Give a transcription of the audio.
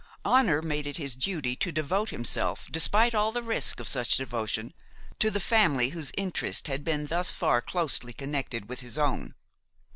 Honor made it his duty to devote himself, despite all the risks of such devotion, to the family whose interests had been thus far closely connected with his own.